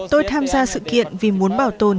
tôi tham gia sự kiện vì muốn bảo tồn